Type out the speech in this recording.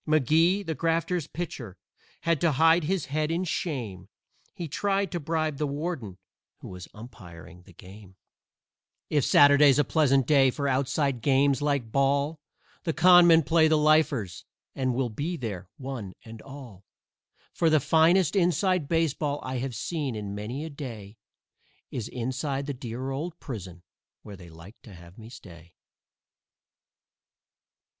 McGee, the Grafters' pitcher, had to hide his head in shame He tried to bribe the warden, who was umpiring the game. If Saturday's a pleasant day for outside games like ball The Con Men play the Lifers, and we'll be there, one and all. For the finest "inside" baseball I have seen in many a day Is inside the dear old prison, where they like to have me stay.